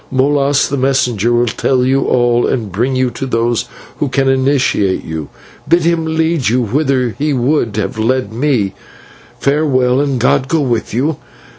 Molas, the messenger, will tell you all and bring you to those who can initiate you. Bid him lead you whither he would have led me. Farewell, and God go with you.